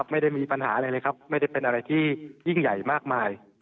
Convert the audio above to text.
ไม่ได้มีปัญหาอะไรเลยครับไม่ได้เป็นอะไรที่ยิ่งใหญ่มากมาย